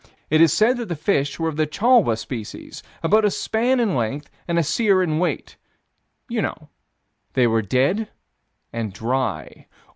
It is said that the fish were of the chalwa species, about a span in length and a seer in weight you know. They were dead and dry.